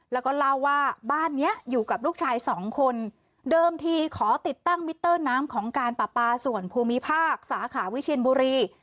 แล้วก็เล่าว่าบ้านเนี้ยอยู่กับลูกชายสองคนเดิมทีขอติดตั้งมิเตอร์น้ำของการปราปาส่วนภูมิภาคสาขาวิเชียนบุรี